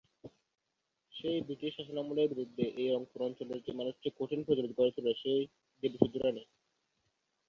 সেই ব্রিটিশ শাসনামলের বিরুদ্ধে এই রংপুর অঞ্চলের যে মানুষটি কঠিন প্রতিরোধ গড়ে তোলে সে দেবী চৌধুরাণী।